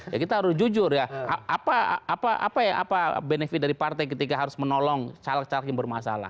ya kita harus jujur ya apa ya benefit dari partai ketika harus menolong caleg caleg yang bermasalah